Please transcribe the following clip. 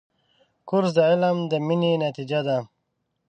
کورس د علم د مینې نتیجه ده.